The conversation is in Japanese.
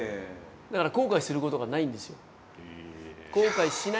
だから後悔することがないんですよ。